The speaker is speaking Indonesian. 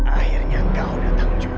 akhirnya kau datang juga